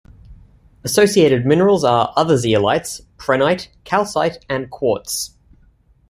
Associated minerals are other zeolites, prehnite, calcite and quartz.